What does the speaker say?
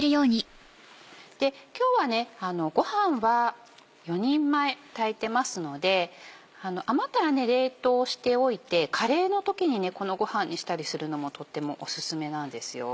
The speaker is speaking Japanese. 今日はごはんは４人前炊いてますので余ったら冷凍しておいてカレーの時にこのごはんにしたりするのもとってもオススメなんですよ。